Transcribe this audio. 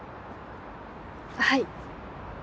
はい。